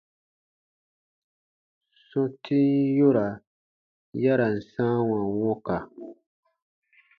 Sɔ̃tin yora ya ra n sãawa wɔ̃ka.